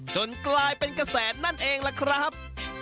จนกลายเป็นกระแสนั่นเองล่ะครับ